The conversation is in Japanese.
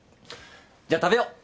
じゃあ食べよっ。